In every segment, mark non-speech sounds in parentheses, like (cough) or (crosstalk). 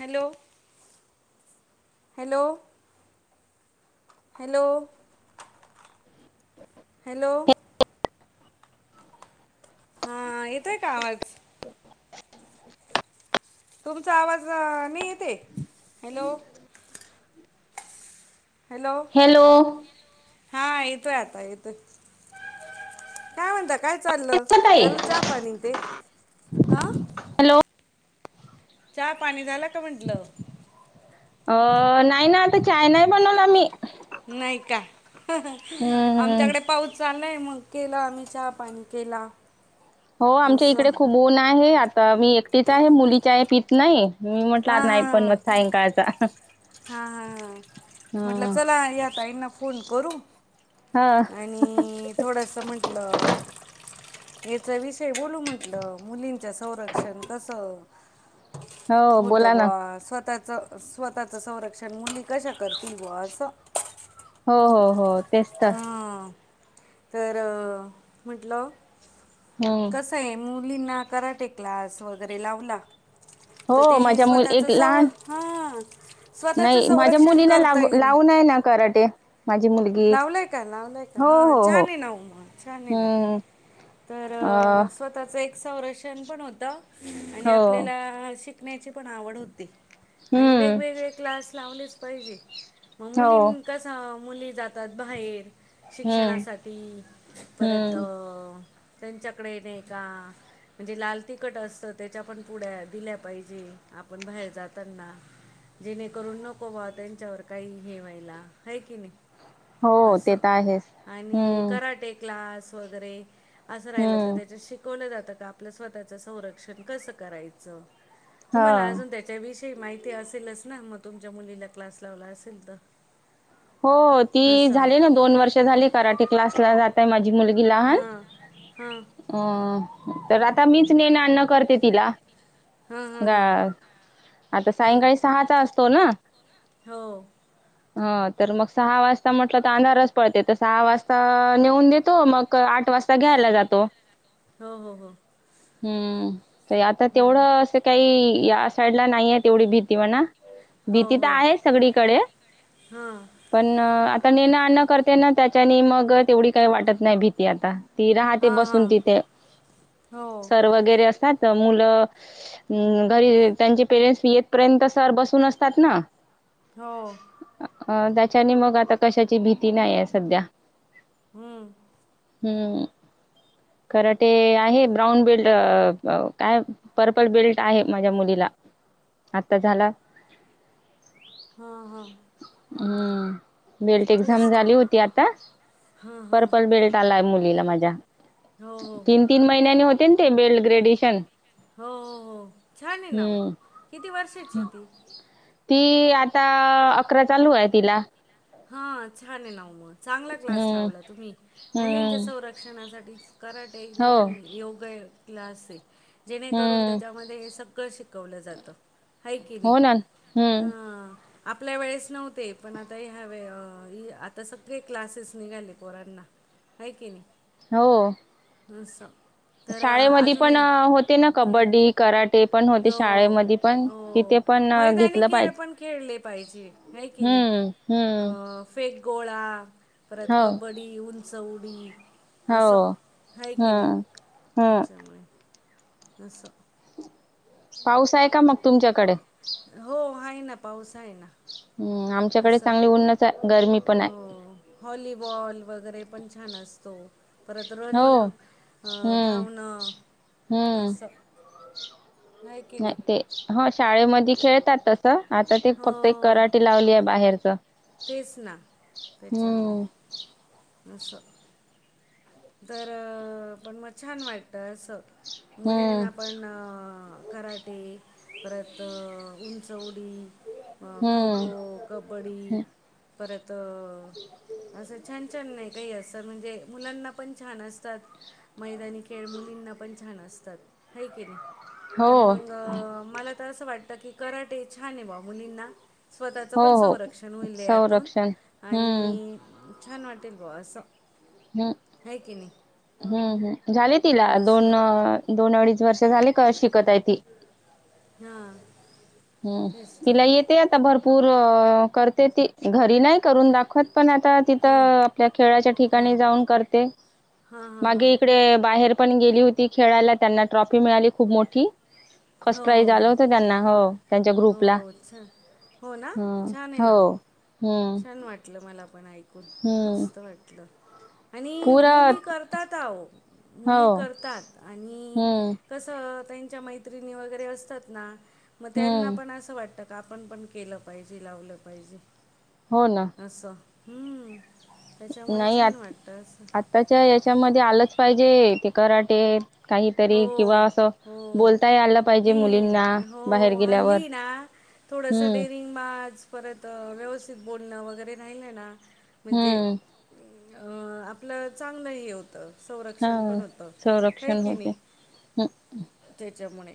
Hello hello hello hello हां येतोय का आवाज तुमचा आवाज नाही येते हॅलो हॅलो हां येतोय आता येतोय काय म्हणता काय चालल ताई झाल चहा पा पाणी ते हॅलो चहा पाणी झाल का म्हटल अं नाही ना आता चाय नाही बनवला मी नाही का हम्म. आमच्याकडे पाऊस चाललाय मग केला आम्ही चहा पाणी केला हो आमच्या असं इकडे खुप ऊन आहे आता मी एकटीच आहे मुलीचे आहे पीत नाही मी म्हटला नाही पण मग सायंकाळचा हा हा हा म्हटल हं. चला या ताईना फोन करू हां थोडस म्हटल याचा विषय बोलु म्हटल मुलींच संरक्षण कस हो होत बोला ना बा स्वतःच स्वतःच संरक्षण मुली कशा करतील बा अस हो हो हो तेच तर हा तर म्हटल हम्म. कस- मुलींना कराटे क्लास वगैरे लावला हो तर ते माझ्या मुल स्वतःच एक लहान सं हा नाही माझ्या मुलीला लागु लावुनया ना कराटे माझी मुलीग लावलय का लावलय का हा छान आहे ना ओ छान आहे ना हम्म तर अ स्वतःच एक संरक्षण पण होत आणि हो आपल्याला शिक शिकण्याची पण आवड होती आणि हम्म वेगवेगळे क्लास लावलेच पाहिजे मग हो मुलीं कसा मुली जातात बाहेर हम्म शिक्षणासाठी परत हम्म अं त्यांच्याकडे येणे का म्हणजे लाल तिखट असत त्याच्या पण पुड्या दिल्या पाहिजे आपण बाहेर जाताना जेणेकरून नको बा त्यांच्यावर काही हे ह्वायला आहे कि नाही हो अस ते तर आहेच. आणि हम्म. कराटे क्लास वगैरे असं राहिलं त हम्म. त्याच्या शिक कोण जातं का, आपलं स्वतःच संरक्षण कसं करायचं. तुम्हाला हा. अजून ते च्या विषयी माहिती असेलच ना, मग तुमच्या मुलीला क्लास लावला असेल त हो ती झाली ना, दोन वर्ष झाली कराटे क्लासला जा- ता माझी मुलगी लहान. हां हां अ तर आता मीच नेणं आणं करते तिला. हां हां गा, हां आता हां सायंकाळी सहाचा असतो ना, हो अत तर मग सहा वाजता म्हटलं त अंधारच पडते. त सहा वाजता नेऊन देतो मग क आठ वाजता घ्यायला जातो. हो हो अ.., त आता तेवढं असं काही या साईडला नाहीये तेवढी भीती म्हणा भीती त आहे सगळीकडे. हा, पणं आता नेणं आणं करते ना, त्याच्यानी मग तेवढी काही वाटत नाही भीती आता ती राहते हां हां बसून तिथे, हो सर वगैरे असतात मुलं घरी त्यांचे पेरेंट्स येतपर्यत सर बसून असतात न, हो. अं त्याच्यानी मग आता कशाची भीती नाही आहे संध्या. हम्म, हम, कराटे आहे. ब्राऊन बिल्डर काय? पर्पल बेल्ट आहे माझ्या मुलीला आता झाला. हा हा, हम्म, बेल्ट एक्झाम तेच तर झाली होती आता, हां हां पर्पल बेल्ट टालाय मुलीला माझ्या. हो हो तीन हो तीन महिन्यानी होते ते बेल्ट ग्रॅड्यीशन हो हो हो, छान आहे नव, हम्म किती वर्षाची ती? ती आता अकरा चालू आहे तिला. हा, छान आहे नव मग. चांगला क्लास हम्म लावला तुम्ही. मुलींच्या हम्म संरक्षणासाठी कराटे हो एकदम योग्य. ग्य क्लास हे. जेणेकरून हम्म त्याच्यामध्ये हे सगळं शिकवलं जातं. हाय कि नाही. हो ना हम्म ह, आपल्या वेळेस नव्हते पण आता या ह्यावेअ, आता सगळे क्लासेस निघाले पोरांना आहे की नाही. हो. अस, तर शाळेमध्ये अजून पण अ, होते ना हम्म कबड्डी कराटे पण होते हो शाळेमध्ये पण हो. तिथे पण अ, मैदानी घेतलं खेळ पाहिजे पण खेळले पाहिजे. हाय कि नाही. हम्म अ, हम्म फेक गोळा परत हो कबड्डी, उंचउडी असं, हो आहे की नाही. हम्म हम्म याच्यामुळे असं पाऊस आहे का मग तुमच्याकडे? हो, आहे ना पाऊस आहेना. हम्म आमच्याकडे असं, चांगली ऊन्हच आहे गरमी पण हो. आहे हॉलीबॉल वगैरे पण छान अस तो परत हो रनिंग हम्म धावणं अस पाचछ (inaudible) नाही ते ह शाळेमध्ये खेळतात तसं आता ते हो फक्त एक कराटे लावली आहे बाहेरच. तेच ना त्याच्यामुळे हम्म अस तर पण मग छान वाटत असं हम्म मुलींना पण कराटे परत उंचवडी खो-खो हम्म कबड्डी परत असं छान छान नाही काही असं म्हणजे, मुलांना पण छान असतात मैदानी खेळ मुलींना पण छान असतात, है कीनी हो तर मंग मला तर असं वाटतं की, कराटे छान आहे बा मुलींना स्वतःचं हो पण हो संरक्षण होइल यातून, संरक्षण हम्म आणि छान वाटेल भाऊ असं. हम् है की नाही हम्म हम्म, झाले तिला, असं दोन दोन अडीच वर्ष झाले का शिकत आहे ती हा. हम, तिला येत येते आता भरपूर करते ती, घरी नाही करून दाखवत पण आता हां तिथं आपल्या खेळाच्या हां ठिकाणी जाऊन करते हां हां हां मागे इकडे बाहेर पण गेली होती ती खेळायला, त्यांना ट्रॉफी मिळाली खूप मोठी फर्स्ट हो प्राईज हो आलं होत त्यांना हो त्यांच्या ग्रुपला, हो हो हो छान हो ना हं छान आहे ना हो हम्म छान वाटलं मला पण ऐकून, हम्म मस्त वाटलं. आणि पुरा मुली करतात आवो, हो मुली करतात आणि आणि हम्म कसं त्यांच्या मैत्रिणी वगैरे असतात ना, मग त्यांना हम्म पण असं वाटतं का आपण पण केलं पाहिजे, लावलं पाहिजे हो ना. अस, हम्म. त्याच्यामुळे नाही आ, छान वाटतं असं आत्ताच्या याच्यामध्ये आलंच पाहिजे ते कराटे काहीतरी किंवा हो, असं हो. बोलताही आला पाहिजे मुलींना, नाही, बाहेर गेल्यावर थोडसं हम्म डेरिंग बाज, परत व्यवस्थित बोलणं वगैरे राहिलं ना, म्हणजे हम्म आपलं चांगलं हे होतं, संरक्षण पण होतं, है की नी हम. त्याच्यामुळे,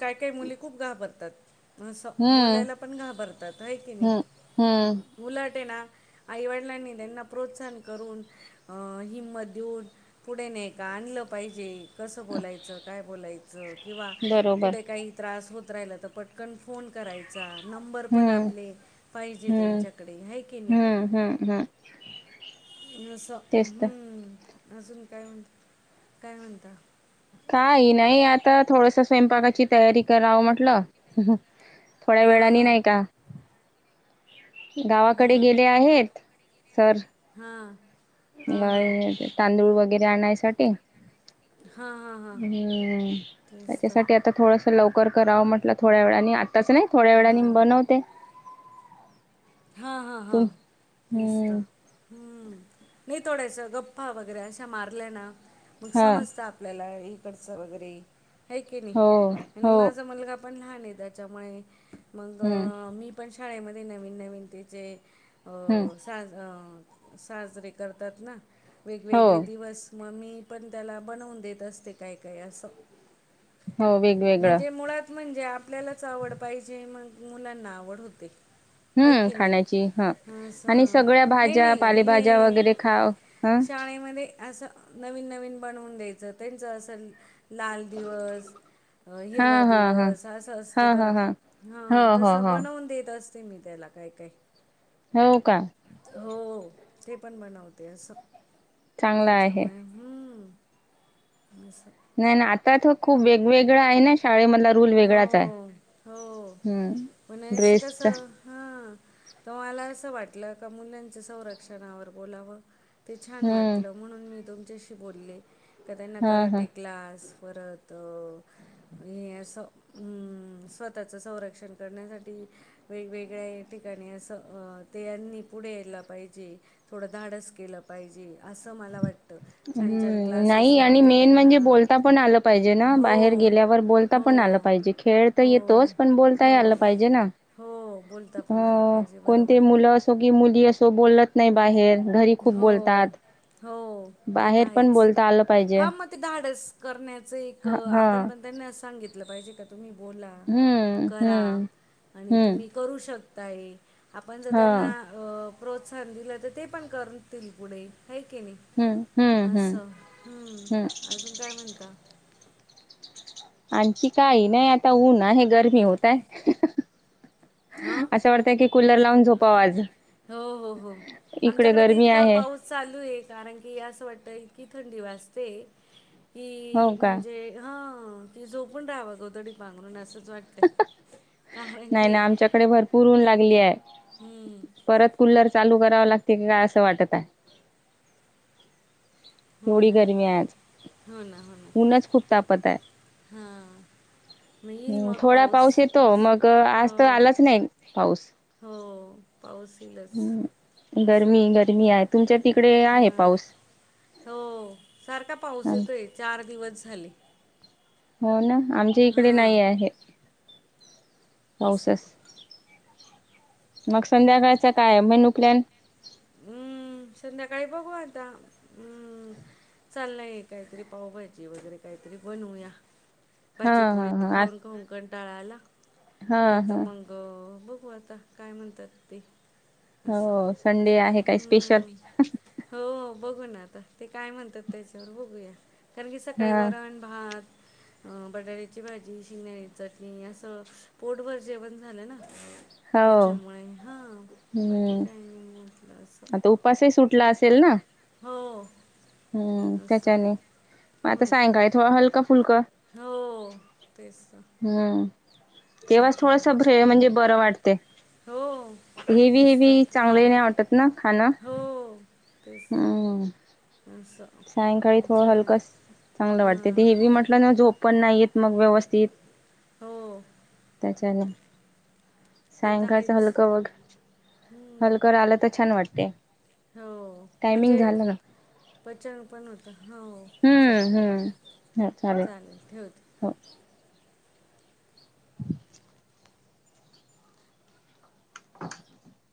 काय काय मुली खूप घाबरतात अस हम्म बोलायला पण घाबरतात, है किनी हम्म हम्म उलट ये ना, आईवडिलांनी त्यांना प्रोत्साहन करून अ हिंमत देऊन, पुढे नाही का आणलं पाहिजे, कस बोलायचं, काय बोलायचं किंवा बरोबर कुठे काही त्रास होत राहिला तर पटकन फोन करायच चां, नंबर पण हम्म आपले पाहिजे त्यांच्याकडे, है किनी हं हं हं. जस, हम्म, अजून काय म्हणत काय म्हणता? काही नाही आता, थोडस स्वयंपाकाची तयारी करावं म्हटलं थोड्या हां वेळानी हां नाही का गावाकडे गेले आहेत सर हां. हां हां गाय, तांदूळ वगैरे, (unintelligible) आणायसाठी, हां हां हां हम तेच तर त्याच्यासाठी (unintelligible) आता थोडंसं लवकर करावं म्हटलं, थोड्या वेळानी आताच नाही, थोड्या वेळा म बनवते. हा हा हा, तुम तेच हम्म तर. हम्म, नाही थोड्यास गप्पा वगैरे अशा मारल्या ना,, मग हा समजतं आपल्याला इकडचं वगैरे,, हय क नाही, हो आणि हो माझा मुलगाऽ पण लहान आहे, त्याच्यामुळे मग हम्म मी पण शाळेमध्ये नवीन नवीन त्याचेऽ हम्म अ साज साजरे करतात ना, हो वेगवेगळे दिवसऽ मग मी पण त्याला बनवून देत असते, काय काय असं. हो वेगवेगळं म्हणजे मुळात म्हणजे आपल्यालाच आवड पायजे, मग मुलांना आवड होते. हय हम्म की नाही, खाण्याची ह आणि सगळ्या नाही भाज्या नाही पालेभाज्या ये वगैरे खाव ह शाळेंमध्ये असं नवीन नवीन बनवून द्यायचं, त्यांच असं लाल दिवस अ हा हिरवा हा हा दिवस,, असा असतो हा हा बघा, हा हा हो हो तसं हो बनवून देत अस देते मी त्याला काय काय. हो का. हो, ते पण बनवते असं, चांगला आहे त्याच्यामुळे हम्म्म, असं नाही नाही, आता तर खूप वेगवेगळा आहे ना, शाळेमधला रूल हो वेगळाच आहे. हो हम्म ड्रेसचा हा, तर मला असं वाटलं का मुलांच्या संरक्षणावर बोलावं. ते छान हम्म वाटलं म्हणून मी तुमच्याशी बोलले,, कदा त्यांना हा नकरा हा टेकलास परत अ हे असं, म् स्वतःच संरक्षण करण्यासाठी वेगवेगळ्या ठिकाणी असं, अ ते यांनी पुढे यायला पायजे थोडं धाडस केलं पाहिजे,, असं मला वाटतं. छान छान हम्म,, क्लासेस नाही आणि लावले मेन म्हणजे त्यांना बोलता पण आलं पाहिजे ना बाहेर गे हो. गेल्यावर बोलता पण आलं हो. पाहिजे, खेळ तर येतोच हो. पण बोलताही हो. आलं पाहिजे ना. हो. बोलता पण आलं अ पाहिजे कोणती बरोबर आहे. मुलं असो की मुली असो बोलत नाही बाहेर, घरी खूप हो. बोलतात, हो. ते तर बाहेर पण आहेच. बोलता आलं पाहिजे हा मग ते धाडस करण्याच एक ह हा आपण पण त्यांना सांगितलं पाहिजे का तुम्ही बोला, हम्म, करा, हम्म, आणि हम्म. तुम्ही करू शकताय,, आपण जर त्यांना हां. अ प्रो त्सहन दिलं तर ते पण करतील पुढे,, हय की नाही. हं, हं, हं, असं,, हम्म,, हं. अजून काय म्हणता? आणखी काही नाही, आता ऊनाने गरमी होतय. हां. असं वाटतंय की कूलर लावून झोपावं आज,, हो, इकडं गरमी आहे चालूये कारण की असं वाटतं, इतकी थंडी वाजते की हो का? म्हणजे हा कि झोपुण राहावं गोधडी पांघरून असंच वाटतय. नाही नाही आमच्याकडे भरपूर ऊन लागली आय. हम्म. परत कुल्लर चालू करावं लागते की काय असं वाटत आहे. हो एवढी ना गरमी आहे आज. हो ना ना,, ऊनच खूप तापत आहे. हा. म ईल हं, मग थोडा पाऊस,,, येतो मग अ, हो. आज तर आलाच नाही पाऊस. हो, पाऊस ईलच. हं. गरमी गरमी आहे तुमच्या तिकडे आहे हां. पाऊस हो सारखा पाऊस आम येतोय चार दिवस झाले हो ना आमच्या इकडे हां, नाही आहे. पासस असं. मग संध्याकाळच काय मेनू प्लॅन हम्म संध्याकाळी बघू आता हम्म चाललंय काहीतरी पावभाजी वगैरे काहीतरी बनवूया हा भाजी पोळी हा हा आज खाऊन खाऊन कणटाळा आला हा नाही तर हा मंग ग बघू आता काय म्हणतात ते असं. हो संडे आहे काय स्पेशल हम्म हो बघू ना आता ते काय म्हणतात त्याच्यावर बघूया कारण की सकाळी हा वरण भात, अ बटाट्याची भाजी, शिंगदाण्याची चटणी असं पोटभर जेवण झालं ना हो त्याच्यामुळे हा बाकी हम्म काही नाही मग. आता उपासही सुटला असेल ना? हो. हम्म असं त्याच्याने मग हो आता ना सायंकाळी थोडं हलका फुलक. हो तेच ना. हम्म तेव्हाच थोडस म्हणजे बरं वाटते. हो हेवी तेच तर हेवी चांगले नाही वाटत ना खाणं? हो तेच तर हम्म असं. सायंकाळी थोडं त्याच्यामुळे हलकं चांगलं वाटते ते हां हेवी म्हटलं ना झोप पण नाही येत मग व्यवस्थित. हो चला ते तर सायंकाळचं आहेच हलकं बघ हलकं राहिलं तर छान वाटते. हो टायमिंग म्हणजे झालं ना पचन पण होत हो. हम्म चालेल हम्म ह चालेल ठेवते. हो. (inaudible) (inaudible)